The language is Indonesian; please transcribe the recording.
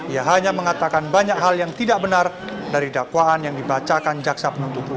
ia hanya mengatakan banyak hal yang tidak benar dari dakwaan yang dibacakan jaksa penuntut umum